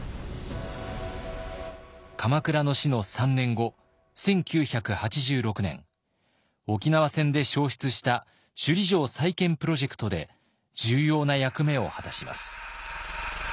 鎌倉の死の３年後１９８６年沖縄戦で焼失した首里城再建プロジェクトで重要な役目を果たします。